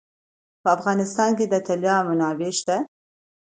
په افغانستان کې د طلا منابع شته.